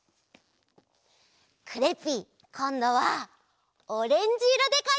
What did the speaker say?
クレッピーこんどはオレンジいろでかいてみる！